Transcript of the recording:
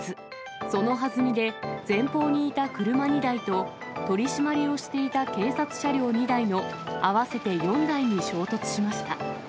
そのはずみで前方にいた車２台と、取締りをしていた警察車両２台の合わせて４台に衝突しました。